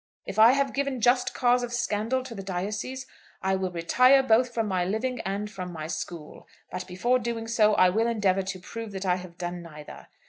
"If I have given just cause of scandal to the diocese I will retire both from my living and from my school. But before doing so I will endeavour to prove that I have done neither.